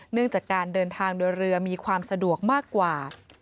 เนื่องจากการเดินทางโดยเรือมีความสะดวกมากกว่า